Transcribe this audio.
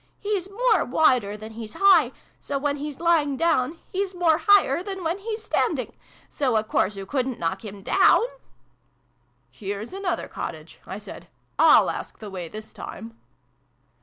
" He's more wider than he's high : so, when he's lying down, he's more higher than when he's standing : so a course oo couldn't knock him down !"" Here's another cottage," I said: "/Y/ask the way, this time."